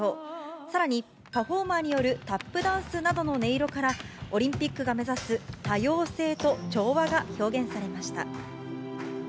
さらにパフォーマーによるタップダンスなどの音色から、オリンピックが目指す多様性と調和が表現されました。